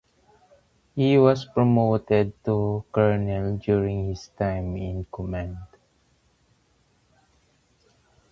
He was promoted to colonel during his time in command.